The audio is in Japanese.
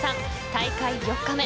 大会４日目。